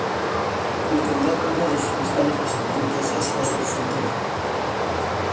En la actualidad uno de sus principales representantes es Josep Fontana.